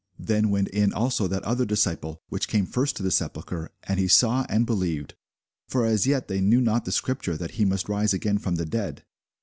Then went in also that other disciple, which came first to the sepulchre, and he saw, and believed. For as yet they knew not the scripture, that he must rise again from the dead.